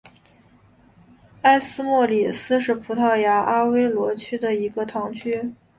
埃斯莫里斯是葡萄牙阿威罗区的一个堂区。